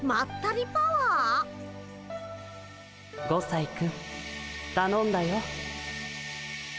５さいくんたのんだよ。